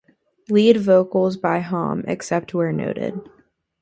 Lead vocals by Homme, except where noted.